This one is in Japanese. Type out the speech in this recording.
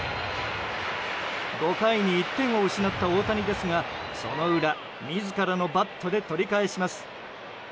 ５回に１点を失った大谷ですがその裏自らのバットで取り返します。